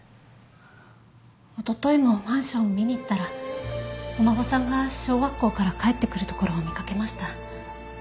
おとといもマンションを見に行ったらお孫さんが小学校から帰ってくるところを見かけました。